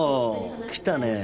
来たねえ。